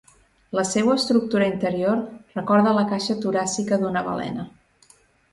La seua estructura interior recorda la caixa toràcica d'una balena.